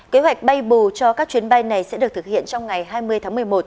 kế hoạch bay bù cho các chuyến bay này sẽ được thực hiện trong ngày hai mươi tháng một mươi một